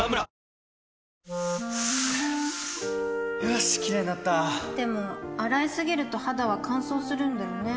よしキレイになったでも、洗いすぎると肌は乾燥するんだよね